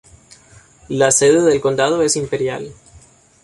La sede del condado es Imperial.